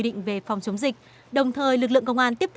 là anh không có giấy tờ chứng minh